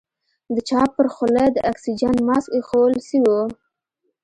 د چا پر خوله د اکسيجن ماسک ايښوول سوى و.